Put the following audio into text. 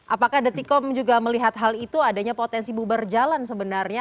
apakah detikom juga melihat hal itu adanya potensi bubar jalan sebenarnya